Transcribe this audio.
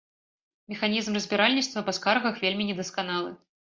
Механізм разбіральніцтва па скаргах вельмі недасканалы.